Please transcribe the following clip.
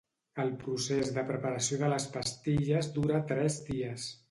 El procés de preparació de les pastilles dura tres dies.